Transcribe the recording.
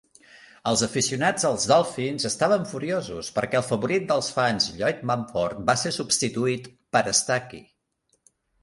Els aficionats als Dolphin estaven furiosos perquè el favorit dels fans Lloyd Mumphord va ser substituït per Stuckey.